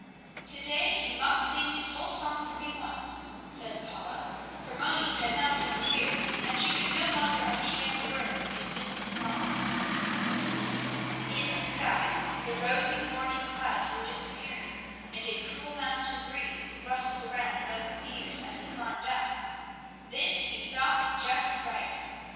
"To day he must sing his whole song for me once," said Paula, for Moni had now disappeared and she could no longer understand the words of his distant song. [Illustration: "Moni climbed with his goats for an hour longer."] In the sky the rosy morning clouds were disappearing and a cool mountain breeze rustled around Moni's ears, as he climbed up. This he thought just right.